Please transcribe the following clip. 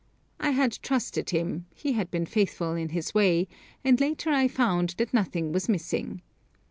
I had trusted him, he had been faithful in his way, and later I found that nothing was missing.